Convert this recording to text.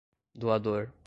doador